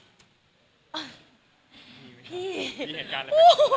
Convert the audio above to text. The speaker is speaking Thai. มีเหตุการณ์อะไรบ้าง